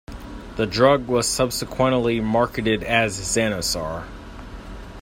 The drug was subsequently marketed as Zanosar.